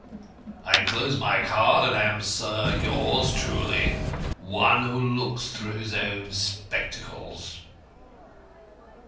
I enclose my card, and am, sir, yours truly, "ONE WHO LOOKS THROUGH HIS OWN SPECTACLES."